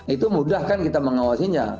itu mudah kan kita mengawasinya